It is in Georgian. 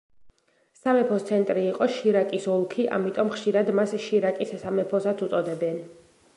სამეფოს ცენტრი იყო შირაკის ოლქი, ამიტომ ხშირად მას შირაკის სამეფოსაც უწოდებენ.